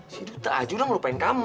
si duta aja udah ngelupain kamu